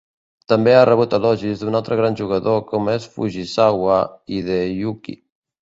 També ha rebut elogis d'un altre gran jugador com és Fujisawa Hideyuki.